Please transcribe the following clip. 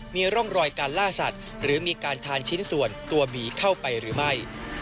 มีร่องรอยการล่าสัตว์หรือมีการทานชิ้นส่วนตัวหมีเข้าไปหรือไม่